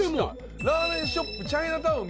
ラーメンショップチャイナタウン